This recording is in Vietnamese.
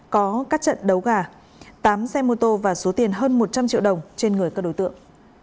có các trận đấu gà tám xe mô tô và số tiền hơn một trăm linh triệu đồng trên người các đối tượng